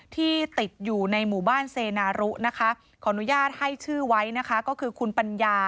ที่ติดอยู่ในหมู่บ้านเซนารุนะคะ